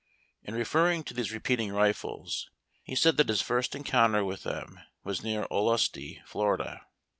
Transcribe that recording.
In referring to these repeating rifles, he said that his first encounter with them was near Olustee, Fla.